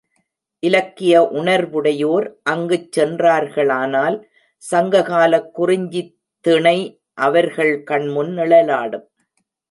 இலக்கிய உணர்வுடையோர் அங்குச் சென்றார்களானால், சங்க காலக் குறிஞ்சித்திணை அவர்கள் கண்முன் நிழலாடும்.